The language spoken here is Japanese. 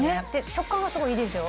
食感がすごいいいでしょ。